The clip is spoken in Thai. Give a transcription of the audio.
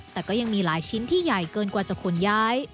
แต่ก็ยังมีหลายชิ้นที่ใหญ่เกินกว่าจะขนย้าย